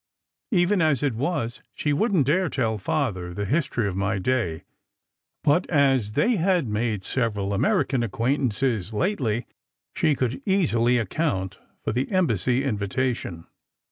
Even as it was, she wouldn t dare tell Father the history of my day: but, as they had made several American acquaintances lately, she could easily account for the Embassy invitation.